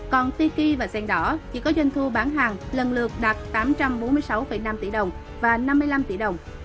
còn tiki và sen đỏ chỉ có doanh thu bán hàng lần lượt đạt tám trăm bốn mươi sáu năm tỷ đồng và năm mươi năm tỷ đồng